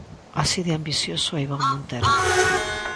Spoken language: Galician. Así de ambicioso é Iván Montero.